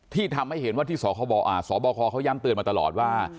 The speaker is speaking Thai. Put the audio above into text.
ที่ทำให้เห็นว่าที่สบคเขาย้ำเตือนมาตลอดว่า